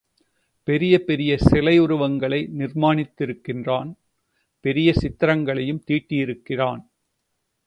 பெரிய பெரிய சிலை உருவங்களை நிர்மாணித்திருக்கிறான், பெரிய சித்திரங்களையும் தீட்டியிருக்கிறான்.